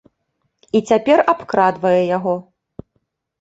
І цяпер абкрадвае яго.